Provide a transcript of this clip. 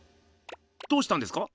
どうしたんですか？